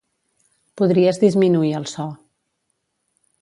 Podries disminuir el so.